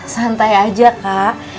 santai aja kak